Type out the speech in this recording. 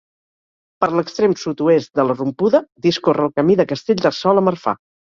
Per l'extrem sud-oest de la rompuda discorre el Camí de Castellterçol a Marfà.